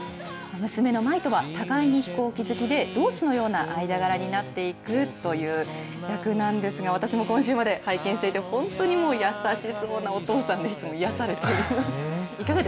娘の舞とは互いに飛行機好きで、同志のような間柄になっていくという役なんですが、私も今週まで拝見していて、本当に優しそうなお父さんで、癒やされています。